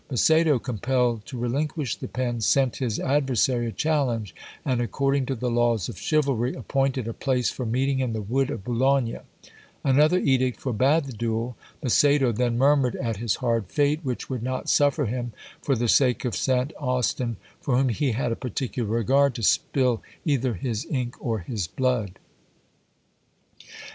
Macedo, compelled to relinquish the pen, sent his adversary a challenge, and according to the laws of chivalry, appointed a place for meeting in the wood of Boulogne. Another edict forbad the duel! Macedo then murmured at his hard fate, which would not suffer him, for the sake of St. Austin, for whom he had a particular regard, to spill either his ink or his blood.